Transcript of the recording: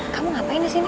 kamu ngapain di sini